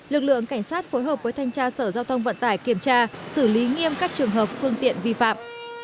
lực lượng cảnh sát phối hợp với thanh tra sở giao thông vận tải kiểm tra xử lý nghiêm các trường hợp phương tiện vi phạm